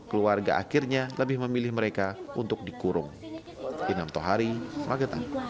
keluarga akhirnya lebih memilih mereka untuk dikurung